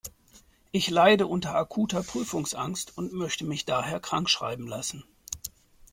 Ich leide unter akuter Prüfungsangst und möchte mich daher krankschreiben lassen.